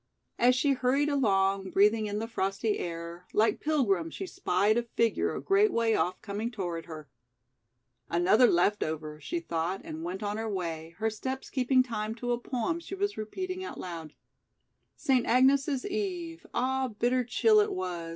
As she hurried along, breathing in the frosty air, like Pilgrim she spied a figure a great way off coming toward her. "Another left over," she thought and went on her way, her steps keeping time to a poem she was repeating out loud: "'St. Agnes' Eve ah, bitter chill it was!